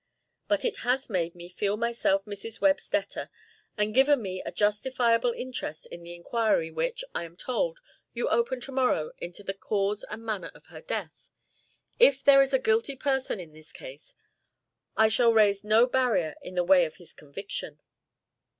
But it has made me feel myself Mrs. Webb's debtor, and given me a justifiable interest in the inquiry which, I am told, you open to morrow into the cause and manner of her death. If there is a guilty person in this case, I shall raise no barrier in the way of his conviction."